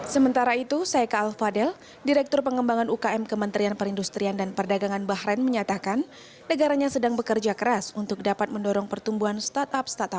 sebagai negara dengan startup unicorn terbesar di asean indonesia perlu mengembangkan infrastruktur yang turut mendorong pertumbuhan industri digital